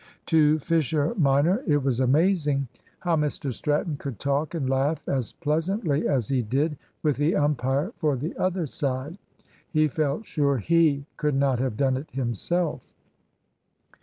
To Fisher minor it was amazing how Mr Stratton could talk and laugh as pleasantly as he did with the umpire for the other side. He felt sure he could not have done it himself.